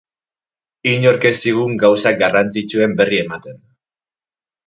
Inork ez zigun gauza garrantzitsuen berri ematen.